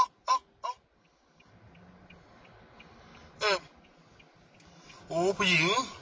เอาเข้าไป